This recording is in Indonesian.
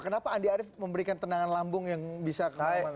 kenapa andi arief memberikan tenangan lambung yang bisa kembang